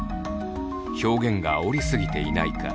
「表現があおりすぎていないか」